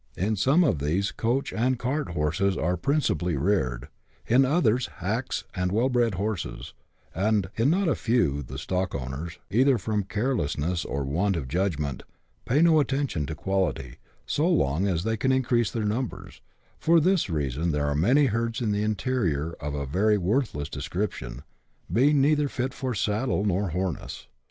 In some of these coach and cart horses are principally reared ; in others, hacks and well bred horses ; and in not a few the stock owners, either from carelessness or want of judgment, pay no attention to quality, so long as they can increase their numbers ; for this reason there are many herds in the interior of a very worthless description, being neither fit for saddle nor harness.